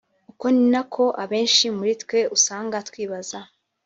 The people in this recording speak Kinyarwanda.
uko ni nako benshi muri twe usanga twibaza